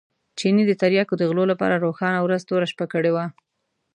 چیني د تریاکو د غلو لپاره روښانه ورځ توره شپه کړې وه.